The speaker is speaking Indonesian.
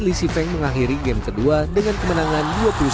li siveng mengakhiri game kedua dengan kemenangan dua puluh satu tujuh belas